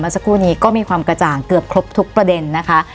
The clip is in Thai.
สักครู่นี้ก็มีความกระจ่างเกือบครบทุกประเด็นนะคะ